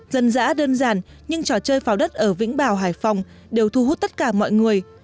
dân dã đơn giản nhưng trò chơi pháo đất ở vĩnh bảo hải phòng đều thu hút tất cả mọi người